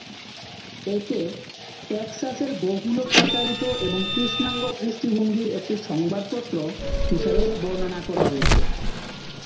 একে "টেক্সাসের বহুল প্রচারিত এবং কৃষ্ণাঙ্গ দৃষ্টিভঙ্গির একটি সংবাদপত্র" হিসাবে বর্ণনা করা হয়েছে।